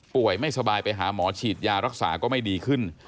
ไม่สบายไปหาหมอฉีดยารักษาก็ไม่ดีขึ้น